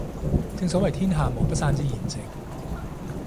正所謂天下無不散之筵席